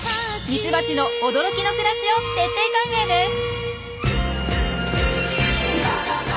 ミツバチの驚きの暮らしを徹底解明です！